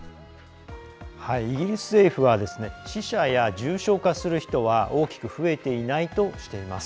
イギリス政府は死者や重症化する人は大きく増えていないとしています。